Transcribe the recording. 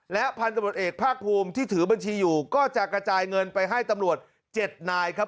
และพันธุ์ตำรวจเอกภาคภูมิที่ถือบัญชีอยู่ก็จะกระจายเงินไปให้ตำรวจ๗นายครับ